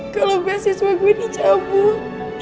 kalau beasiswa gue dicabut